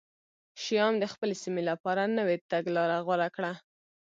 شیام د خپلې سیمې لپاره نوې تګلاره غوره کړه